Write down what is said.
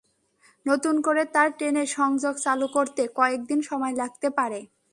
নতুন করে তার টেনে সংযোগ চালু করতে কয়েক দিন সময় লাগতে পারে।